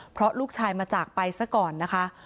เพราะลูกชายมาจากไปซะก่อนนะคะ